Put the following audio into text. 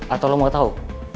atau lo mau tau